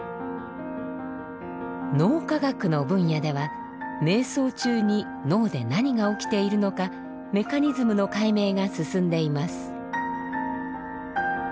脳科学の分野では瞑想中に脳で何が起きているのかメカニズムの解明が進んでいます。